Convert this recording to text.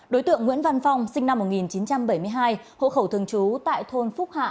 đối tượng nguyễn văn phong sinh năm một nghìn chín trăm bảy mươi hai hộ khẩu thường trú tại thôn phúc hạ